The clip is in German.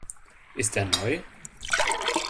Ist der neu?